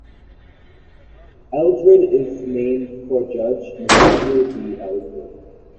Eldred is named for Judge Nathaniel B. Eldred.